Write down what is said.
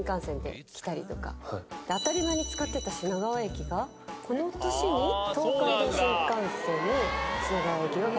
当たり前に使ってた品川駅がこの年に東海道新幹線の品川駅が開業。